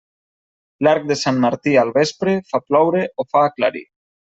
L'arc de Sant Martí al vespre, fa ploure o fa aclarir.